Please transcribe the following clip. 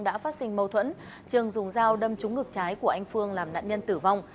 đã phát sinh mâu thuẫn trường dùng dao đâm trúng ngực trái của anh phương làm nạn nhân tử vong